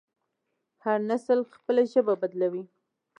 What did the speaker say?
هر نسل خپله ژبه بدلوي.